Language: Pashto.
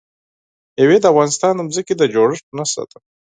مېوې د افغانستان د ځمکې د جوړښت نښه ده.